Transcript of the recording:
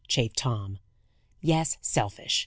chafed Tom. "Yes, selfish.